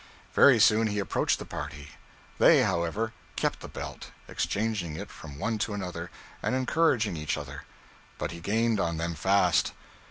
Very soon he approached the party. They, however, kept the belt, exchanging it from one to another, and encouraging each other; but he gained on them fast.